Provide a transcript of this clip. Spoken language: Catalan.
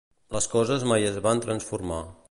Les coses mai es van transformar.